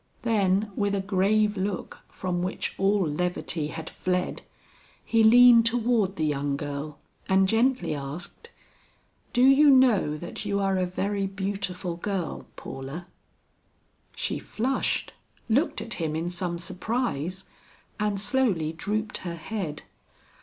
Then with a grave look from which all levity had fled, he leaned toward the young girl and gently asked, "Do you know that you are a very beautiful girl, Paula?" She flushed, looked at him in some surprise and slowly drooped her head.